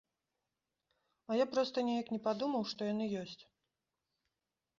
А я проста неяк не падумаў, што яны ёсць!